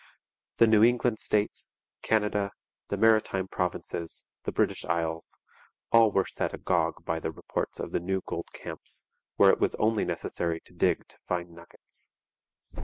The New England States, Canada, the Maritime Provinces, the British Isles all were set agog by the reports of the new gold camps where it was only necessary to dig to find nuggets.